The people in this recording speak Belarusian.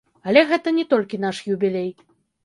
Але гэта не толькі наш юбілей.